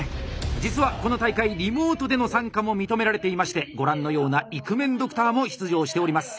実はこの大会リモートでの参加も認められていましてご覧のようなイクメンドクターも出場しております。